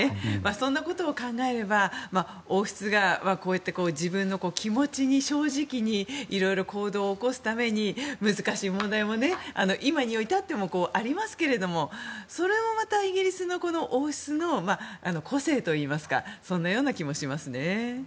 そんなことを考えれば王室がこうやって自分の気持ちに正直にいろいろ行動を起こすために難しい問題も今に至ってもありますけれどもそれもまたイギリスの王室の個性というかそんなような気もしますね。